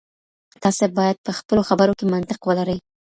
تاسي بايد په خپلو خبرو کي منطق ولرئ.